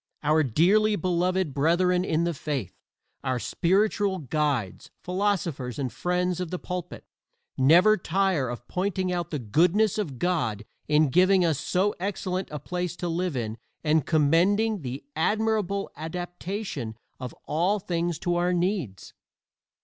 Our dearly beloved brethren in the faith, our spiritual guides, philosophers and friends of the pulpit, never tire of pointing out the goodness of God in giving us so excellent a place to live in and commending the admirable adaptation of all things to our needs.